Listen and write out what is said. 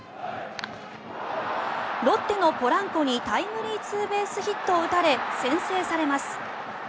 ロッテのポランコにタイムリーツーベースヒットを打たれ先制されます。